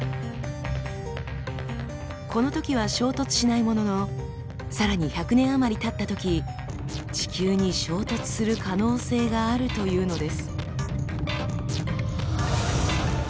このときは衝突しないもののさらに１００年余りたったとき地球に衝突する可能性があるというのです。